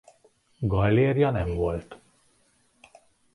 Gallérja nem volt.